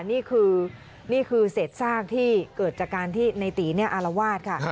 นี่คือเสร็จซากที่เกิดจากการที่ในตีเนี่ยอารวาสค่ะ